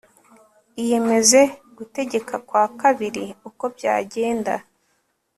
Iyemeze Gutegeka kwa Kabiri Uko byagenda